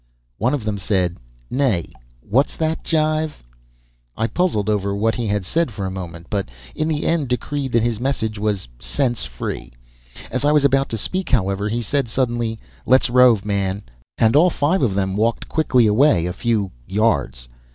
One of them said, "Nay. What's that jive?" I puzzled over what he had said for a moment, but in the end decreed that his message was sensefree. As I was about to speak, however, he said suddenly: "Let's rove, man." And all five of them walked quickly away a few "yards."